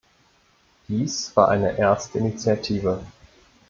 Dies war eine erste Initiative.